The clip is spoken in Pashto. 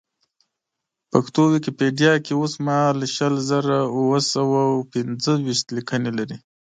پښتو ویکیپېډیا کې اوسمهال شل زره اوه سوه او پېنځه ویشت لیکنې لري.